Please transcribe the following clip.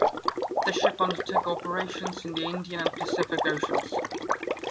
The ship undertook operations in the Indian and Pacific Oceans.